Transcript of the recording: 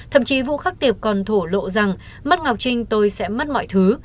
thậm chí vũ khắc tiệp còn thổ lộ rằng mắt ngọc trinh tôi sẽ mất mọi thứ